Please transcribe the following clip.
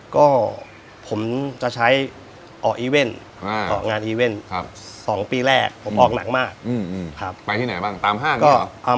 ก็ผมจะใช้ออกงานอีเว่น๒ปีแรกผมออกหนังมากไปที่ไหนบ้างตามห้างหรือเปล่า